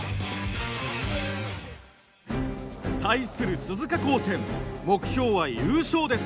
対する鈴鹿高専目標は優勝です。